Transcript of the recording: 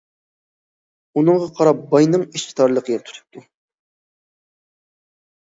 ئۇنىڭغا قاراپ باينىڭ ئىچ تارلىقى تۇتۇپتۇ.